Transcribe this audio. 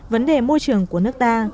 vấn đề môi trường của nước ta